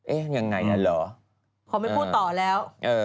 เอ๊ะยังไงน่ะเหรอขอไม่พูดต่อแล้ว